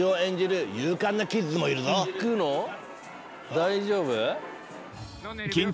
大丈夫？